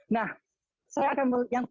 nah saya akan yang